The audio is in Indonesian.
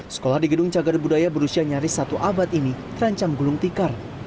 sekolah di gedung cagar budaya berusia nyaris satu abad ini terancam gulung tikar